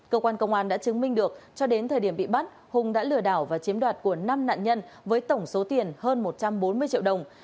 cơ quan công an đã chứng minh được cho đến thời điểm bị bắt hùng đã lừa đảo và chiếm đoạt của năm nạn nhân với tổng số tiền hơn một trăm bốn mươi triệu đồng